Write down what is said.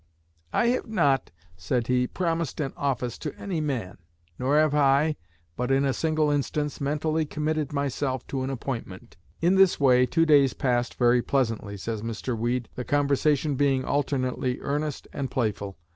'I have not,' said he, 'promised an office to any man, nor have I, but in a single instance, mentally committed myself to an appointment.'" "In this way two days passed very pleasantly," says Mr. Weed, "the conversation being alternately earnest and playful.